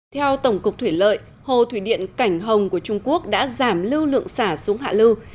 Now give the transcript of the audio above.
theo tổng cục thủy lợi hồ thủy điện cảnh hồng của trung quốc đã giảm lưu lượng xả xuống hạ lưu